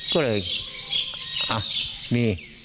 ก็เลยอ่ะนี่